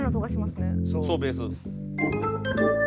そうベース。